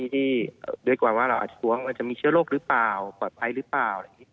ที่ด้วยกว่าว่าเราอาจทรวงมันจะมีเชื้อโรคหรือเปล่าปลอดภัยหรือเปล่า